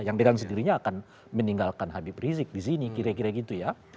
yang dengan sendirinya akan meninggalkan habib rizik di sini kira kira gitu ya